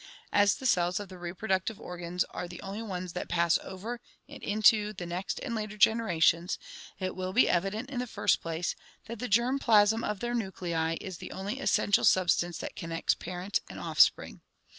As the cells of the reproductive organs are the only ones that pass over and into the next and later generations, it will be evident, in the first place, that the germ plasm of their nuclei is the only essential substance that connects parent and offspring.